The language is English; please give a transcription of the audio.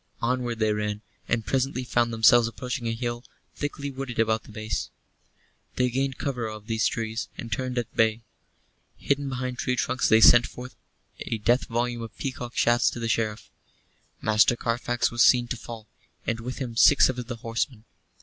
Onward they ran; and presently found themselves approaching a hill, thickly wooded about the base. They gained cover of these trees, and turned at bay. Hidden behind tree trunks they sent forth a death volume of peacock shafts to the Sheriff. Master Carfax was seen to fall, and with him six of the horsemen.